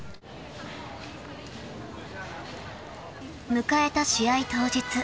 ［迎えた試合当日］